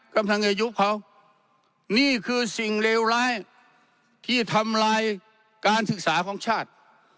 กำลังอายุเขานี่คือสิ่งเลวร้ายที่ทำลายการศึกษาของชาติ